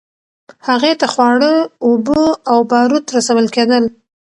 هغې ته خواړه، اوبه او بارود رسول کېدل.